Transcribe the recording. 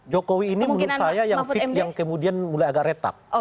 jokowi ini menurut saya yang kemudian mulai agak retak